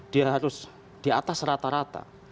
dia harus di atas rata rata